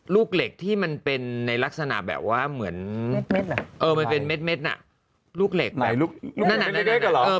ลูกเหล็กที่มันเป็นในลักษณะแบบว่าเหมือนเออมันเป็นเม็ดนะลูกเหล็ก